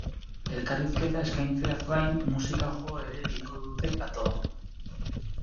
Elkarrizketa eskaintzeaz gain, musika jo ere egingo dute platoan.